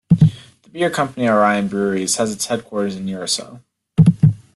The beer company Orion Breweries has its headquarters in Urasoe.